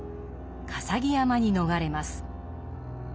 笠置山に逃れます。